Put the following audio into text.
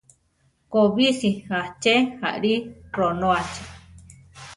Kobísi aché aʼli, ronóachi.